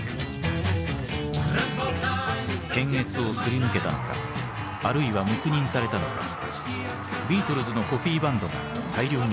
検閲をすり抜けたのかあるいは黙認されたのかビートルズのコピーバンドが大量に出現。